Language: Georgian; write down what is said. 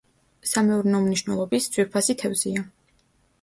სამეურნეო მნიშვნელობის, ძვირფასი თევზია.